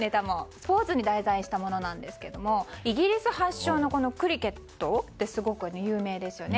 スポーツを題材したものなんですがイギリス発祥のクリケットってすごく有名ですよね。